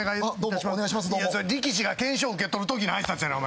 いやそれ力士が懸賞受け取る時の挨拶やねんお前。